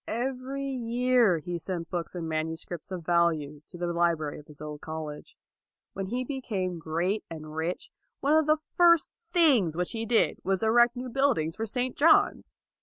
Every year he sent books and manuscripts of value to the library of his old college. When he became great and rich, one of the first things which he did was to erect new buildings for St. John's.